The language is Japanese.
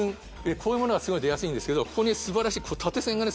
こういうものがすごい出やすいんですけどここにすばらしい縦線がね